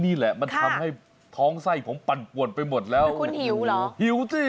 มันทำให้ท้องใส้ผมปั่นปวดไปหมดแล้ว